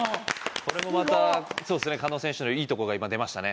これもまた加納選手のいいとこが今出ましたね